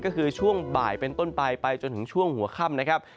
ก็คือช่วงบ่ายเป็นต้นไปไปจนถึงช่วงหัวค่ำนะครับ